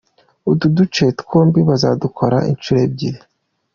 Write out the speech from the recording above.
Utu duce twombi bazadukora inshuro ebyiri.